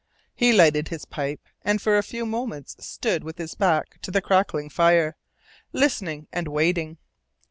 He lighted his pipe, and for a few moments stood with his back to the crackling fire, listening and waiting.